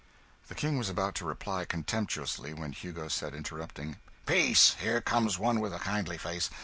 The King was about to reply contemptuously, when Hugo said, interrupting "Peace! Here comes one with a kindly face.